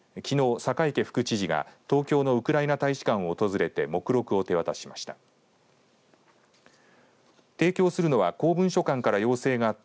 酒池副知事が東京のウクライナ大使館を訪れて目録を手渡しました。